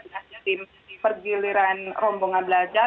dengan tim pergiliran rombongan belajar